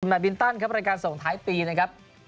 บินตันครับรายการส่งท้ายปีนะครับ